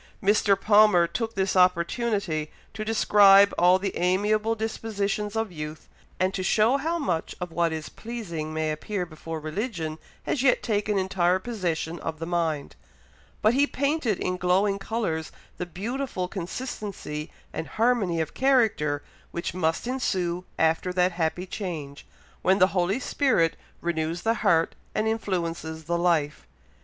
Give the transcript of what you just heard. Mr. Palmer took this opportunity to describe all the amiable dispositions of youth, and to show how much of what is pleasing may appear before religion has yet taken entire possession of the mind; but he painted in glowing colours the beautiful consistency and harmony of character which must ensue after that happy change, when the Holy Spirit renews the heart and influences the life.